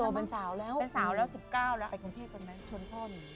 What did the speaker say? เป็นสาวแล้วเป็นสาวแล้ว๑๙แล้วไปกรุงเทพกันไหมชนพ่อหนี